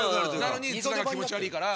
なのにツラが気持ち悪ぃから。